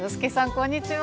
こんにちは！